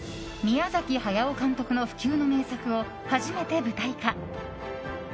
宮崎駿監督の不朽の名作を初めて舞台化。